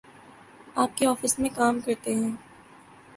آپ کی آفس میں کام کرتے ہیں۔